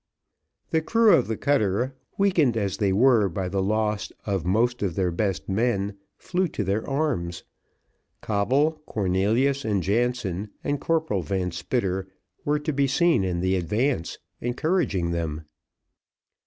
The crew of the cutter, weakened as they were by the loss of most of their best men, flew to their arms; Coble, Cornelius, and Jansen, and Corporal Van Spitter were to be seen in the advance, encouraging them.